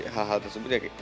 hal hal tersebut ya